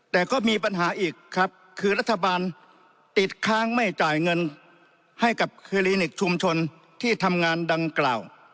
แต่ก็มีปัญหาอีกครับคือรัฐบาลติดค้างไม่จ่ายเงินให้กับคลินิกชุมชนที่ทำงานดังกล่าว